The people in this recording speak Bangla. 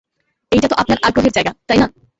এটাইতো আপনার আগ্রহের জায়গা, তাইনা?